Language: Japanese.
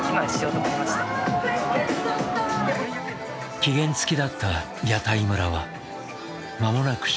期限付きだった屋台村はまもなく終了。